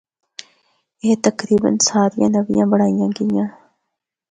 اے تقریبا ساریاں نوّیاں بنڑائیاں گیاں۔